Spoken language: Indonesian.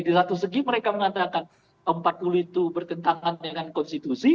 di satu segi mereka mengatakan empat puluh itu bertentangan dengan konstitusi